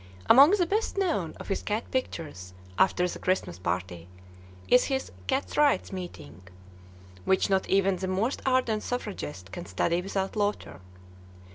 Among the best known of his cat pictures, after the "Christmas Party," is his "Cats' Rights Meeting," which not even the most ardent suffragist can study without laughter.